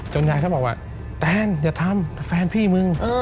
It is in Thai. ยายก็บอกว่าแตนอย่าทำแฟนพี่มึง